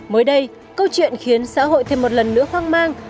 mới đây câu chuyện khiến xã hội thêm một lần nữa hoang mang